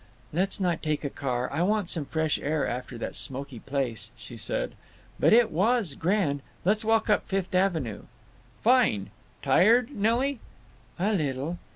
"Let's not take a car—I want some fresh air after that smoky place," she said. "But it was grand…. Let's walk up Fifth Avenue." "Fine…. Tired, Nelly?" "A little."